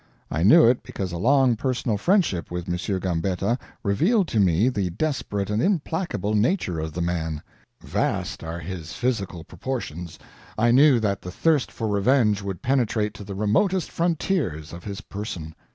I knew it because a long personal friendship with M. Gambetta revealed to me the desperate and implacable nature of the man. Vast as are his physical proportions, I knew that the thirst for revenge would penetrate to the remotest frontiers of his person.